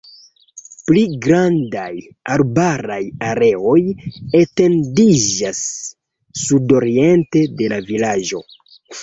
Pli grandaj arbaraj areoj etendiĝas sudoriente de la vilaĝo.